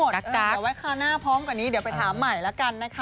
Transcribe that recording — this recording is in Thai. เดี๋ยวไว้คราวหน้าพร้อมกว่านี้เดี๋ยวไปถามใหม่แล้วกันนะคะ